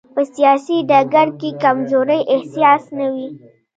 په سیاسي ډګر کې کمزورۍ احساس نه وي.